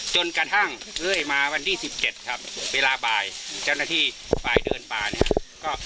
จนกระทั่งมาวันที่๑๗ครับเวลาบ่ายเจ้าหน้าที่บ่ายเดือนป่านะคะ